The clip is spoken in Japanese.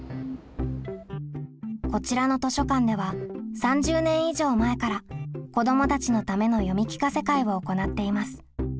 こちらの図書館では３０年以上前から子どもたちのための読み聞かせ会を行っています。